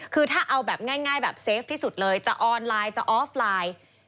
คือถ้าเอาแบบง่ายแบบเซฟที่สุดเลยจะออนไลน์จะออฟไลน์